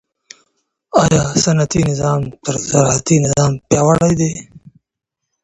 آیا صنعتي نظام تر زراعتي نظام پیاوړی دی؟